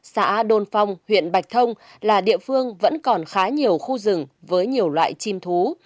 xã đôn phong huyện bạch thông là địa phương vẫn còn khá nhiều khu rừng với nhiều loại chim thú